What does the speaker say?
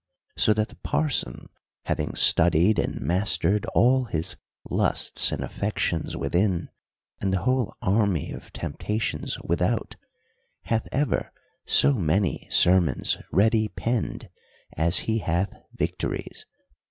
So that the parson having studied and mastered all his lusts and affections within, and the whole army of temptations without, hath ever so many sermons ready penned, as he hath victories.